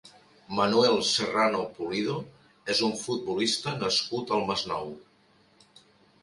Manuel Serrano Pulido és un futbolista nascut al Masnou.